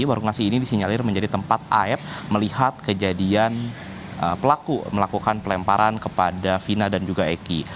warung nasi ini disinyalir menjadi tempat af melihat kejadian pelaku melakukan pelemparan kepada vina dan juga eki